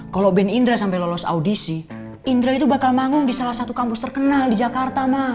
kalo band indra sampe lolos audisi indra itu bakal manggung di salah satu kampus terkenal di jakarta ma